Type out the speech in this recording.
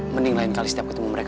mending lain kali setiap ketemu mereka